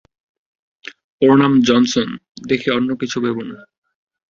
ওর নাম জনসন, দেখে অন্যকিছু ভেবো না!